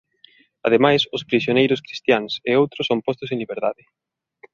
Ademais os prisioneiros cristiáns e outros son postos en liberdade.